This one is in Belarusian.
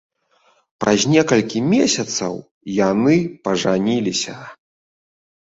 Праз некалькі месяцаў яны пажаніліся.